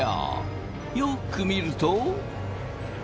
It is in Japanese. よく見ると。